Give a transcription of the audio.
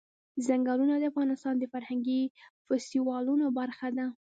ځنګلونه د افغانستان د فرهنګي فستیوالونو برخه ده.